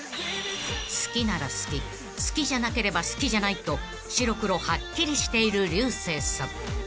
［好きなら好き好きじゃなければ好きじゃないと白黒はっきりしている竜星さん］